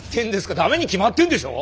ダメに決まってんでしょ！